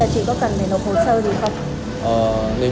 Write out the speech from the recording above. chị có cần để nộp hồ sơ gì không